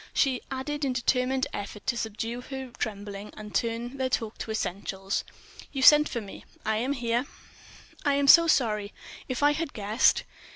She added in determined effort to subdue her trembling and turn their talk to essentials: "You sent for me—I am here." "I am so sorry. If I had guessed